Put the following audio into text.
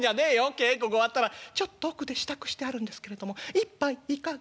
稽古が終わったら『ちょっと奥で支度してあるんですけれども一杯いかが？』。